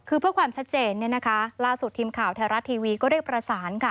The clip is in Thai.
คือเพื่อความชัดเจนเนี่ยนะคะล่าสุดทีมข่าวไทยรัฐทีวีก็ได้ประสานค่ะ